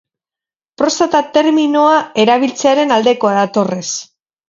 Prostata terminoa erabiltzearen aldekoa da Torres.